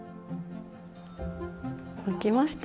できました！